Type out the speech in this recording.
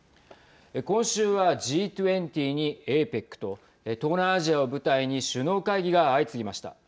今週はＧ２０にＡＰＥＣと東南アジアを舞台に首脳会議が相次ぎました。